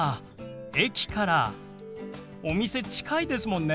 駅からお店近いですもんね。